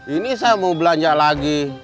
ini saya mau belanja lagi